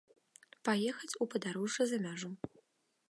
Паехаць у падарожжа за мяжу.